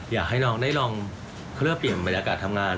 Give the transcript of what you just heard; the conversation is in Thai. อยากให้น้องได้ลองเครื่องเปลี่ยนบริละกาศทำงาน